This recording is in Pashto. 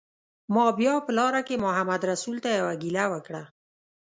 ما بیا په لاره کې محمدرسول ته یوه ګیله وکړه.